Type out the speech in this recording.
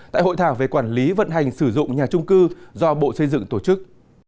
tại hội thảo về quản lý vận hành sử dụng nhà trung cư do bộ xây dựng tổ chức